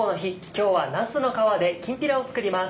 今日はなすの皮できんぴらを作ります。